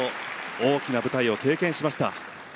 大きな舞台を経験しました。